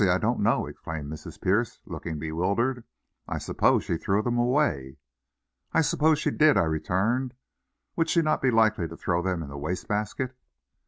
I don't know," exclaimed Mrs. Pierce, looking bewildered. "I suppose she threw them away." "I suppose she did," I returned; "would she not be likely to throw them in the waste basket?"